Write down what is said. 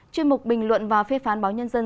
chuyên mục bình luận và phê phán báo nhân dân